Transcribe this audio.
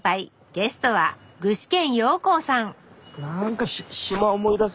ゲストは具志堅用高さん